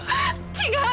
違う。